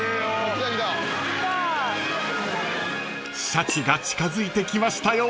［シャチが近づいてきましたよ］